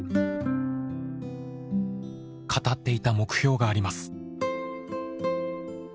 語っていた目標があります。